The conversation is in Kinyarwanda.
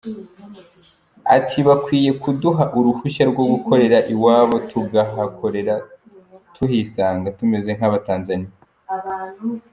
Ati: “Bakwiye kuduha uruhushya rwo gukorera iwabo, tukahakorera tuhisanga tumeze nk’abatanzaniya.